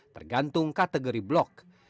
tergantung kategori blok